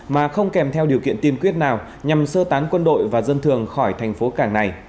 mà không kèm theo điều kiện tiên quyết nào nhằm sơ tán quân đội và dân thường khỏi thành phố cảng này